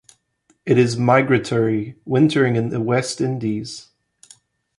It is migratory, wintering in the West Indies.